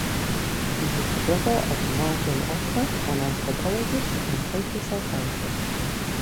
He was the brother of Marvin Opler, an anthropologist and social psychiatrist.